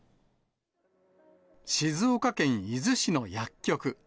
静岡県伊豆市の薬局。